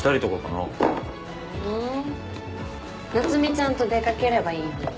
夏海ちゃんと出掛ければいいのに。